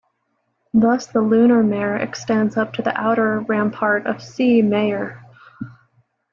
Thus the lunar mare extends up to the outer rampart of C. Mayer.